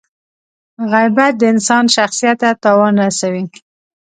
• غیبت د انسان شخصیت ته تاوان رسوي.